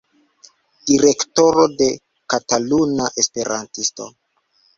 Direktoro de Kataluna Esperantisto.